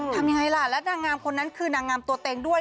ทำยังไงล่ะและนางงามคนนั้นคือนางงามตัวเต็งด้วย